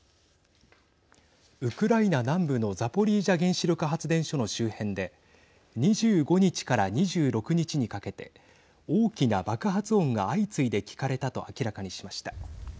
ウクライナ南部のザポリージャ原子力発電所の周辺で２５日から２６日にかけて大きな爆発音が相次いで聞かれたと明らかにしました。